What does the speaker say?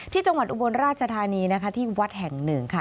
จังหวัดอุบลราชธานีนะคะที่วัดแห่งหนึ่งค่ะ